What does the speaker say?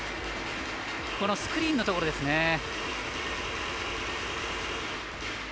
スクリーンのところですね。